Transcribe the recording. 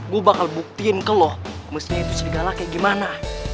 gua bakal buktiin ke lo mestinya itu serigala kayak gimana